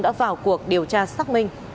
đã vào cuộc điều tra xác minh